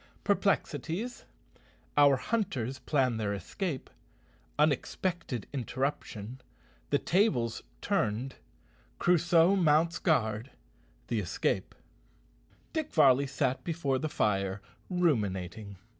Perplexities Our hunters plan their escape Unexpected interruption The tables turned Crusoe mounts guard The escape. Dick Varley sat before the fire ruminating.